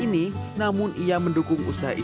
bisa membantu keuangan keluarga